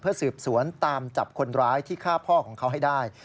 สืบสวนตามจับคนร้ายที่ฆ่าพ่อของเขาให้ได้